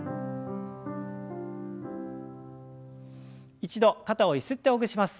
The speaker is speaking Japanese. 一度肩をゆすってほぐします。